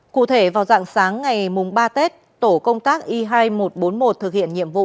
cụ thể vào dạng sáng ngày mùng ba tết tổ công tác y hai nghìn một trăm bốn mươi một thực hiện nhiệm vụ